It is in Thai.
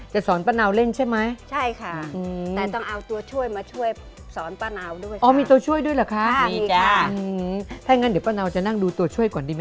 ต้องเล่นซาบ้าหาคู่ก่อนแต่งงานนะคะ